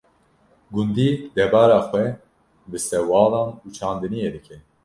Gundî debara xwe bi sewalan û çandiniyê dike.